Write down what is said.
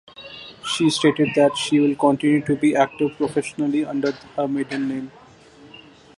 She stated that she will continue to be active professionally under her maiden name.